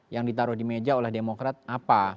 yang ditaruh di meja oleh demokrat apa